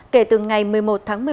kể từ ngày một tháng